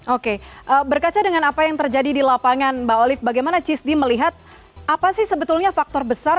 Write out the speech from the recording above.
oke berkaca dengan apa yang terjadi di lapangan mbak olive bagaimana cisdi melihat apa sih sebetulnya faktor besar